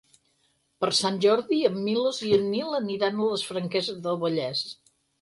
Per Sant Jordi en Milos i en Nil aniran a les Franqueses del Vallès.